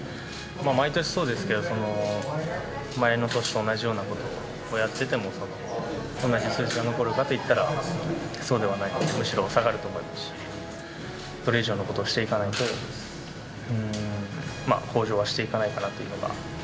毎年そうですけど、前の年と同じようなことをやってても、同じ数字が残るかといったらそうではない、むしろ下がると思いますし、それ以上のことをしていかないと、向上はしていかないかなというのは。